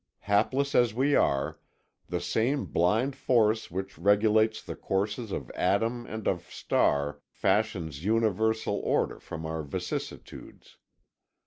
Hapless as we are, the same blind force which regulates the courses of atom and of star fashions universal order from our vicissitudes.